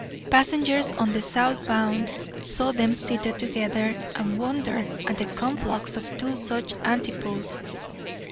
Passengers on the south bound saw them seated together, and wondered at the conflux of two such antipodes.